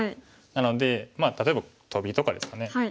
なので例えばトビとかですかね。